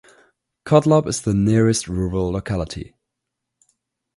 Khotlob is the nearest rural locality.